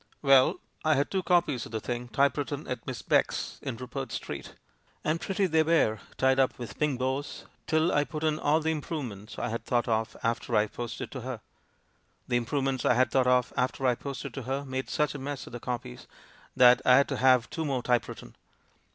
"Well, I had two copies of the thing type written at Miss Beck's, in Rupert Street; and prett)^ they were, tied up with pink bows — till I put in all the improvements I had thought of after I posted to her. The improvements I had thought of after I posted to her made such a mess of the copies that I had to have two more typewritten.